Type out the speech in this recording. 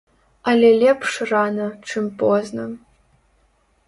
Але лепш рана, чым позна.